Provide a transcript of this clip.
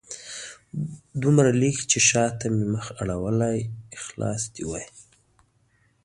دومره لږ چې شاته مې مخ اړولی خلاص دې وای